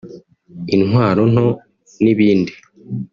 intwaro nto n’ibindi